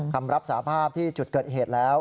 คำรับสาภาพที่จุดเกิดเหตุแล้ว